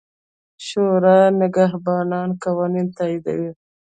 شورای نګهبان قوانین تاییدوي.